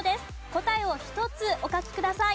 答えを１つお書きください。